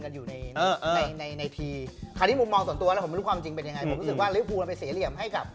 คาดที่มึงมองส่วนตัวแล้วผมไม่รู้ความจริงเป็นยังไง